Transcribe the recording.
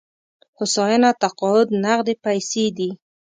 هوساینه تقاعد نغدې پيسې دي.